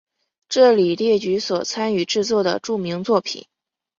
这里列举所参与制作的著名作品。